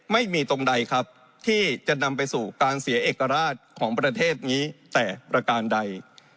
ไม่มีตรงใดครับที่จะนำไปสู่การเสียเอกราชของประเทศนี้แต่ประการใด